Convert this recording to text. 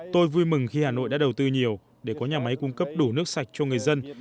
tôi vui mừng khi hà nội đã đầu tư nhiều để có nhà máy cung cấp đủ nước sạch cho người dân